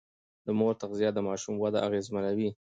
د مور تغذيه د ماشوم وده اغېزمنوي.